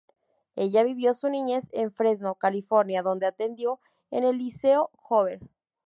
Ella vivió su niñez en Fresno, California, dónde atendió en el Liceo Hoover.